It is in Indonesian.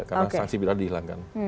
karena sanksi tidak dihilangkan